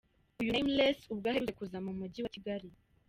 Uyu Nameless ubwo aherutse kuza mu mujyi wa Kigali.